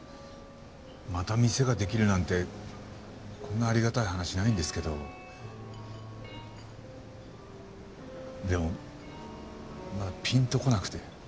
また店ができるなんてこんなありがたい話ないんですけどでもまだピンとこなくて。